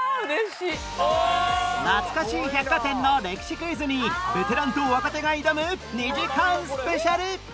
懐かしい百貨店の歴史クイズにベテランと若手が挑む２時間スペシャル